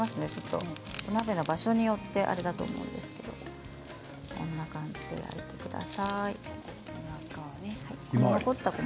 お鍋の場所によってあれだと思うんですけどこんな感じで焼いてください。